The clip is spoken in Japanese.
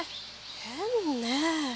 変ねえ。